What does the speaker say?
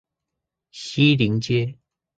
西陵街